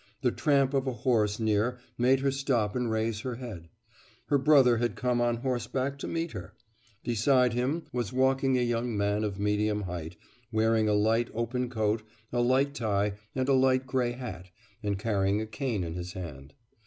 The tramp of a horse near made her stop and raise her head.... Her brother had come on horseback to meet her; beside him was walking a young man of medium height, wearing a light open coat, a light tie, and a light grey hat, and carrying a cane in his hand.